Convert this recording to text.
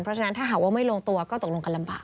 เพราะฉะนั้นถ้าหากว่าไม่ลงตัวก็ตกลงกันลำบาก